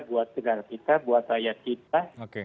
buat negara kita buat rakyat kita